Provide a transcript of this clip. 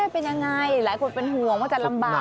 เป็นยังไงหลายคนเป็นห่วงว่าจะลำบาก